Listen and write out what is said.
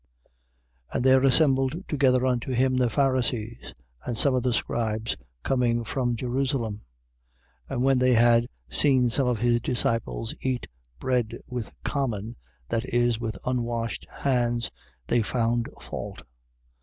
7:1. And there assembled together unto him the Pharisees and some of the scribes, coming from Jerusalem. 7:2. And when they had seen some of his disciples eat bread with common, that is, with unwashed hands, they found fault.